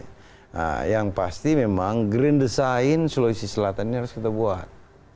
nah yang pasti memang green design sulawesi selatan ini harus kita buat